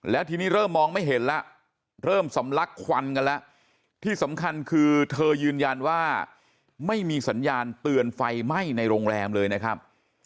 แล้วทีนี้เริ่มมองไม่เห็นแล้วเริ่มสำลักควันกันแล้วที่สำคัญคือเธอยืนยันว่าไม่มีสัญญาณเตือนไฟไหม้ในโรงแรมเลยนะครับ